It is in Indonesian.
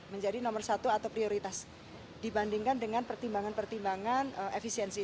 menjadi nomor satu atau prioritas dibandingkan dengan pertimbangan pertimbangan efisiensi